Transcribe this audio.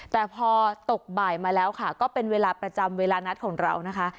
แต่พอตกบ่ายมาแล้วค่ะก็เป็นเวลาประจำเวลานัดของเรานะคะ